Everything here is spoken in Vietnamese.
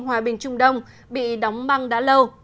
hòa bình trung đông bị đóng băng đã lâu